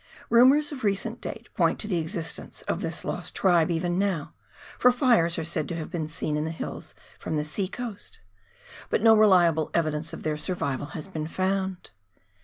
Rumours of recent date point to the existence of this lost tribe even now, for fires are said to have been seen in the hills from the sea coast ; but no reliable evidence of their survival has been found.